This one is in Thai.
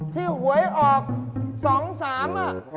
ที่หวยออกสองสาม